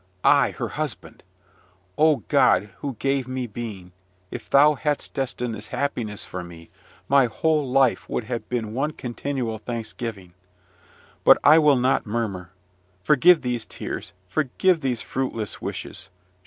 I her husband! O God, who gave me being, if thou hadst destined this happiness for me, my whole life would have been one continual thanksgiving! But I will not murmur forgive these tears, forgive these fruitless wishes.